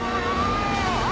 あ！